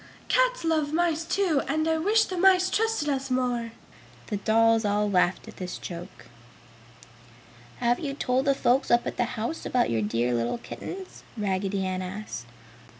"Cats love mice, too, and I wish the mice trusted us more!" The dolls all laughed at this joke. "Have you told the folks up at the house about your dear little kittens?" Raggedy Ann asked.